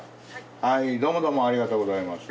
はいどうもどうもありがとうございます。